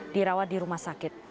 dirawat di rumah sakit